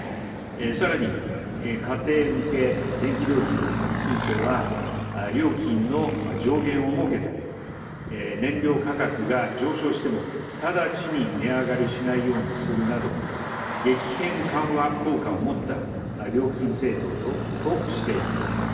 さらに、家庭向け電気料金については、料金の上限を設けたり、燃料価格が上昇しても、直ちに値上がりしないようにするなど、激変緩和効果を持った料金制度としています。